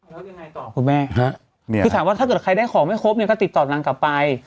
แล้วยังไงต่อคุณแม่คือถามว่าถ้าเกิดใครได้ของไม่ครบเนี่ยก็ติดต่อนางกลับไป